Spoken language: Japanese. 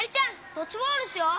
ドッジボールしよう！